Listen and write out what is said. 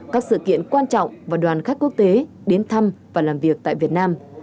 các sự kiện quan trọng và đoàn khách quốc tế đến thăm và làm việc tại việt nam